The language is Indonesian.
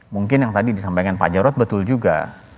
mungkin yang tadi disampaikan pak jarod betul juga